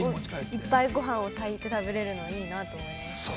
いっぱいごはんを炊いて食べれるの、いいなと思いました。